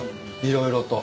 色々と。